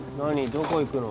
どこ行くの？